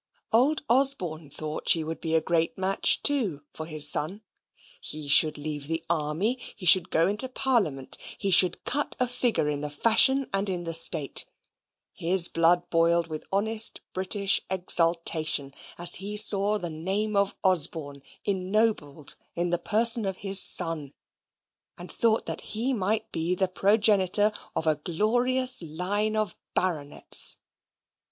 Old Osborne thought she would be a great match, too, for his son. He should leave the army; he should go into Parliament; he should cut a figure in the fashion and in the state. His blood boiled with honest British exultation, as he saw the name of Osborne ennobled in the person of his son, and thought that he might be the progenitor of a glorious line of baronets.